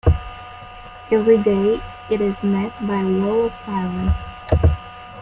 Every day it is met by a wall of silence.